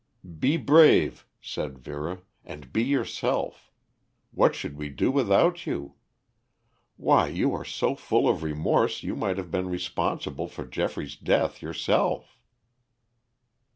"Be brave," said Vera, "and be yourself. What should we do without you? Why, you are so full of remorse you might have been responsible for Geoffrey's death yourself."